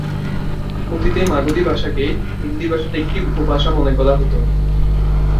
অতীতে মাগধী ভাষাকে হিন্দি ভাষার একটি উপভাষা মনে করা হত।